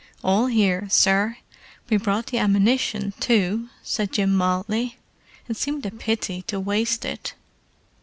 "All here, sir. We brought the ammunition, too," said Jim mildly. "It seemed a pity to waste it!"